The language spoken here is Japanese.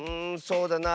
そうだな。